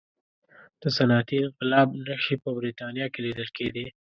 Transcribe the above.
د صنعتي انقلاب نښې په برتانیا کې لیدل کېدې.